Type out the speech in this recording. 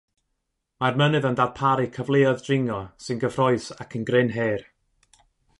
Mae'r mynydd yn darparu cyfleoedd dringo sy'n gyffrous ac yn gryn her.